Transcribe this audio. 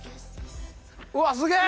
うわ、すげえ！